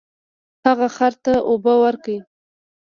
هغه خر ته اوبه ورکړې.